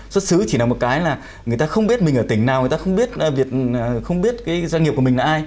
xuất xứ chỉ là một cái là người ta không biết mình ở tỉnh nào người ta không biết doanh nghiệp của mình là ai